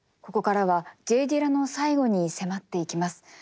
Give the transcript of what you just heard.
ここからはＪ・ディラの最期に迫っていきます。